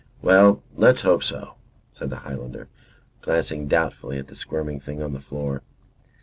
"Well, let's hope so," said the Highlander, glancing doubtfully at the squirming thing on the floor.